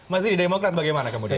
mas di demokrat bagaimana kemudian